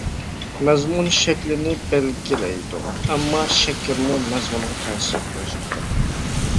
مەزمۇن شەكىلنى بەلگىلەيدۇ، ئەمما شەكىلمۇ مەزمۇنغا تەسىر كۆرسىتىدۇ.